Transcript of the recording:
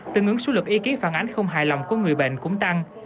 tương ứng số lực ý kiến phản ánh không hài lòng của người bệnh cũng tăng